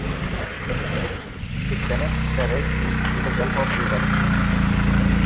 It connects the Red Sea to the Gulf of Aden.